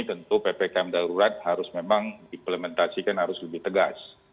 tentu ppkm darurat harus memang diimplementasikan harus lebih tegas